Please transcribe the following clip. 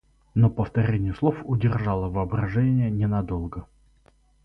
Но повторение слов удержало воображение не надолго.